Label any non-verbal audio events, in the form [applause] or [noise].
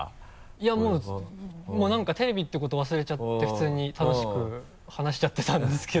いやもう何かテレビってこと忘れちゃって普通に楽しく話しちゃってたんですけど [laughs]